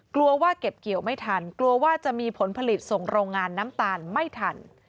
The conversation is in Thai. กลัวว่าเก็บเกี่ยวไม่ทันกลัวว่าจะมีผลผลิตส่งโรงงานน้ำตาลไม่ทัน